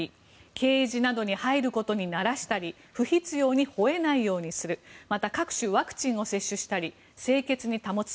ケージなどに入ることに慣らしたり不必要にほえないようにするまた各種ワクチンを接種したり清潔に保つ。